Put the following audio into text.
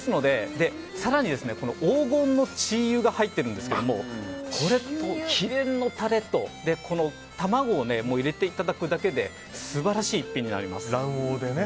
更に黄金のチー油が入ってるんですけどこれと秘伝のタレと卵を入れていただくだけで素晴らしい一品になります。